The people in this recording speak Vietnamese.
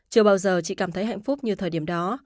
chưa bao giờ chị cảm thấy hạnh phúc như thời điểm đó